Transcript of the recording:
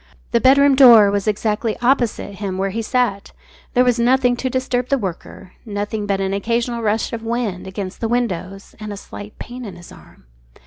The bedroom door was exactly opposite him where he sat. There was nothing to disturb the worker, nothing but an occasional rush of wind against the windows, and a slight pain in his arm.